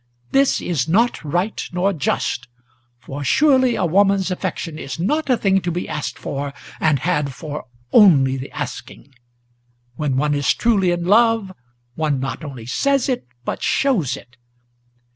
This is not right nor just: for surely a woman's affection Is not a thing to be asked for, and had for only the asking. When one is truly in love, one not only says it, but shows it.